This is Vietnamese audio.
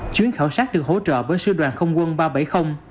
chuyến khảo sát được hỗ trợ bởi sư đoàn không quân ba trăm bảy mươi